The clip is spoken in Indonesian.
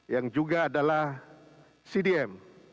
yang juga adalah cdm